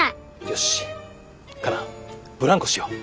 よしカナブランコしよう。